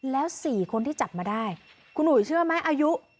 แล้ว๔คนที่จับมาได้คุณอุ๋ยเชื่อไหมอายุ